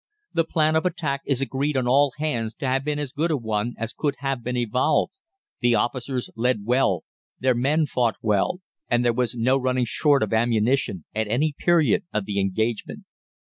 The plan of attack is agreed on all hands to have been as good a one as could have been evolved; the officers led well, their men fought well, and there was no running short of ammunition at any period of the engagement.